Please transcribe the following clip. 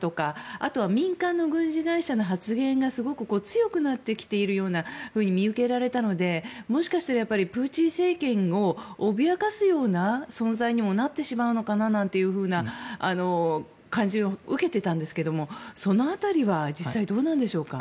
あとは民間の軍事会社の発言がすごく強くなってきているようなふうに見受けられたのでもしかしたらプーチン政権を脅かすような存在にもなってしまうのかなというような感じを受けてたんですけどその辺りは実際どうなんでしょうか。